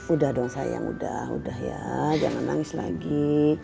udah dong sayang udah udah ya jangan nangis lagi